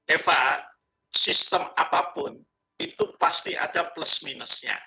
eva sistem apapun itu pasti ada plus minusnya